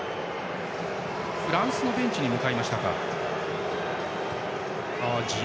フランスのベンチに向かいました。